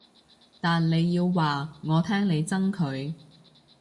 但你要話我聽你憎佢